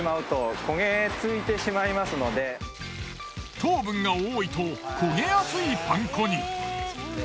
糖分が多いと焦げやすいパン粉に。